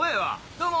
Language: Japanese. どうも。